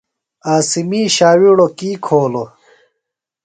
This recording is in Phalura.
عاصمی ݜاوِیڑوۡ کی کھولوۡ؟